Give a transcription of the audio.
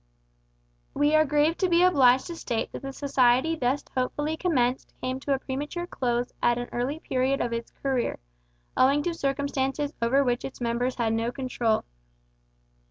We are grieved to be obliged to state that the society thus hopefully commenced came to a premature close at an early period of its career, owing to circumstances over which its members had no control.